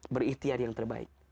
berikhtiar yang terbaik